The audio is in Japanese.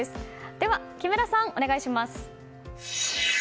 では、木村さんお願いします。